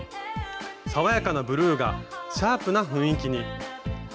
爽やかなブルーがシャープな雰囲気に。